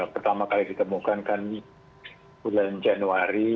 pertama kali ditemukan kan bulan januari